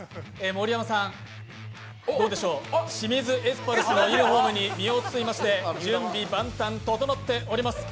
盛山さん、清水エスパルスのユニフォームに身を包みまして準備万端、整っております。